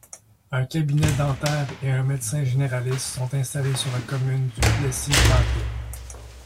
Un cabinet dentaire et un médecin généraliste sont installés sur la commune du Plessis-Pâté.